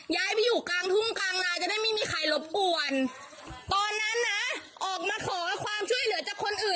ย้ายไปอยู่กลางทุ่งกลางลาจะได้ไม่มีใครรบกวนตอนนั้นนะออกมาขอความช่วยเหลือจากคนอื่น